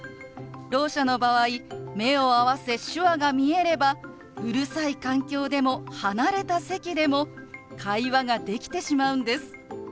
ろう者の場合目を合わせ手話が見えればうるさい環境でも離れた席でも会話ができてしまうんです。